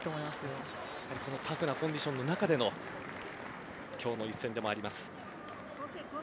タフなコンディションの中での今日の一戦でもあります。